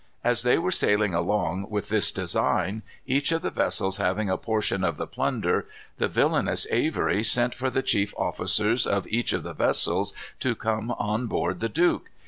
As they were sailing along, with this design, each of the vessels having a portion of the plunder, the villanous Avery sent for the chief officers of each of the vessels to come on board the Duke.